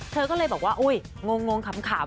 เธอก็เลยบอกว่าอุ๊ยงงขำ